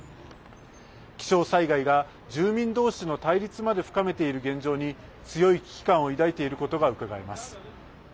気象災害が住民同士の対立まで深めている現状に強い危機感を抱いていることがうかがえます。